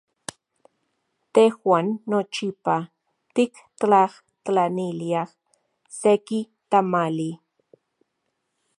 Tejuan nochipa tiktlajtlaniliaj seki tamali.